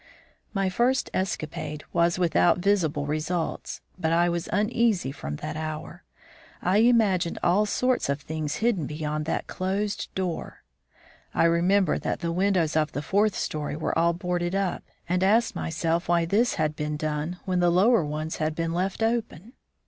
My first escapade was without visible results, but I was uneasy from that hour. I imagined all sorts of things hidden beyond that closed, door. I remembered that the windows of the fourth story were all boarded up, and asked myself why this had been done when the lower ones had been left open.